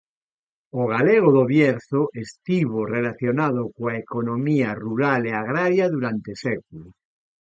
O galego do Bierzo estivo relacionado coa economía rural e agraria durante séculos.